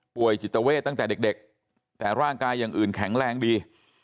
จิตเวทตั้งแต่เด็กแต่ร่างกายอย่างอื่นแข็งแรงดี